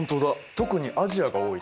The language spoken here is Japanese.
特にアジアが多いね。